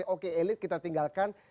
oke elit kita tinggalkan